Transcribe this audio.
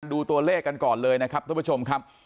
ดูตัวเลขกันก่อนเลยนะครับท่านผู้ชมครับ